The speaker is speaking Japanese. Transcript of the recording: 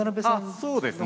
そうですね。